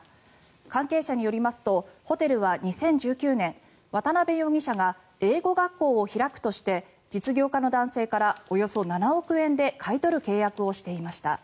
関係者によりますとホテルは２０１９年渡邉容疑者が英語学校を開くとして実業家の男性からおよそ７億円で買い取る契約をしていました。